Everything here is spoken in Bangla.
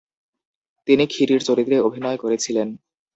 তিনি ক্ষীরির চরিত্রে অভিনয় করেছিলেন।